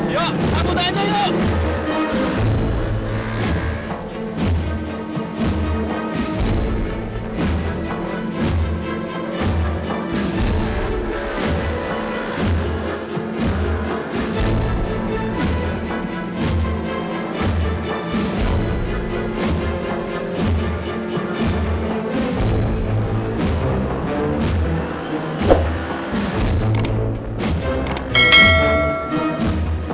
yuk kita mati